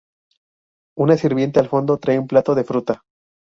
Una sirviente al fondo trae un plato de fruta.